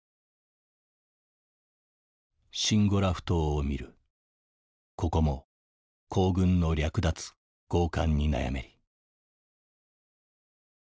「シンゴラ埠頭を見るここも皇軍の掠奪強姦に悩めり」。